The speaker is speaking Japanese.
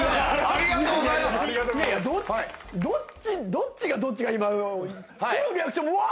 どっちがどっちが今君らのリアクション「うわ！」